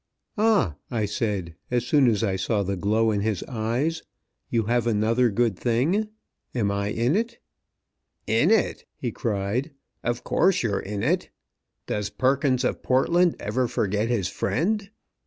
"Ah," I said, as soon as I saw the glow in his eyes, "you have another good thing? Am I in it?" "In it?" he cried. "Of course, you're in it! Does Perkins of Portland ever forget his friend?